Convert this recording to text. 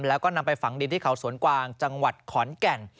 แล้วก็นำไปฝังดินที่เขาสวนกวางจังหวัดขอนแก่น